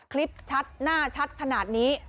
คลิปชัดหน้าชัดขนาดนี้